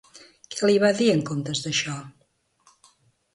Què li va dir en comptes d'això?